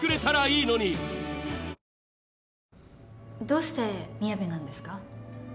どうしてみやべなんですか？